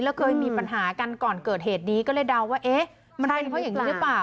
แล้วเคยมีปัญหากันก่อนเกิดเหตุนี้ก็เลยเดาว่าเอ๊ะมันเป็นเพราะอย่างนี้หรือเปล่า